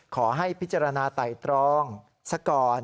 ขอให้พิจารณาไต่ตรองซะก่อน